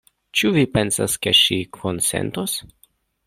Ĉu vi pensas, ke ŝi konsentos?